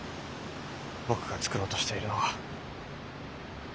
僕が創ろうとしているのは。